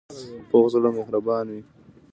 پوخ زړه مهربانه وي